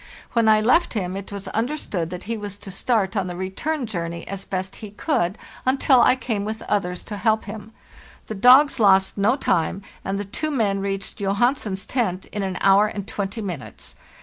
When I left him it was understood that he was to start on the return journey as best he could, until I came with others to help him. The dogs lost no time, and the two men reached Johansen's tent in an hour and twenty minutes.